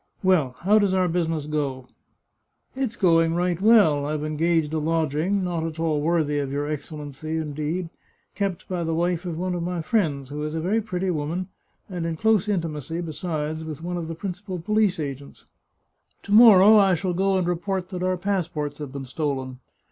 Well, how does our busi ness go ?"" It's going right well. I've engaged a lodging — not at all worthy of your Excellency, indeed — kept by the wife of one of my friends, who is a very pretty woman, and in close intimacy, besides, with one of the principal police agents. To morrow I shall go and report that our passports have been stolen.